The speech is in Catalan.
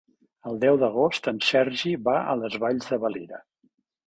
El deu d'agost en Sergi va a les Valls de Valira.